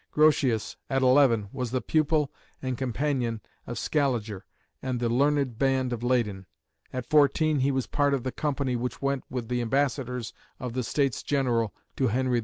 Grotius at eleven was the pupil and companion of Scaliger and the learned band of Leyden; at fourteen he was part of the company which went with the ambassadors of the States General to Henry IV.